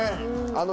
あの。